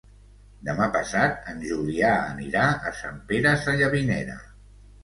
Demà passat en Julià anirà a Sant Pere Sallavinera.